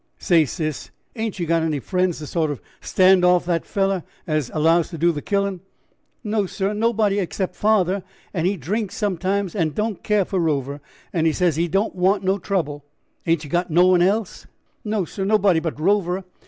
"Say, sis, ain't yer got any friends to sort of stand off the feller as allows to do the killin'?" "No, sir, nobody except father, and he drinks sometimes and don't care for Rover, and he says he don't want no trouble." "Ain't yer got no one else?" "No, sir; nobody but Rover.